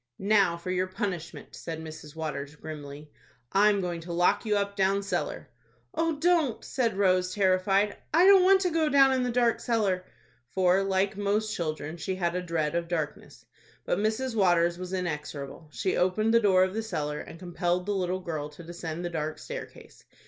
"Now for your punishment," said Mrs. Waters, grimly, "I'm going to lock you up down cellar." "Oh, don't," said Rose, terrified. "I don't want to go down in the dark cellar;" for, like most children, she had a dread of darkness. But Mrs. Waters was inexorable. She opened the door of the cellar, and compelled the little girl to descend the dark staircase.